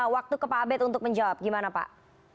waktu ke pak abed untuk menjawab gimana pak